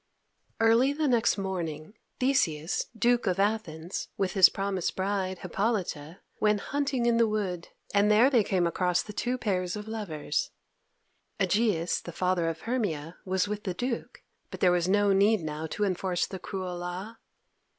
Early the next morning, Theseus, Duke of Athens, with his promised bride, Hippolyta, went hunting in the wood, and there they came across the two pairs of lovers. Egeus, the father of Hermia, was with the Duke, but there was no need now to enforce the cruel law.